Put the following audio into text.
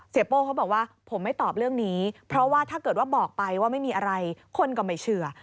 โป้เขาบอกว่าผมไม่ตอบเรื่องนี้เพราะว่าถ้าเกิดว่าบอกไปว่าไม่มีอะไรคนก็ไม่เชื่อ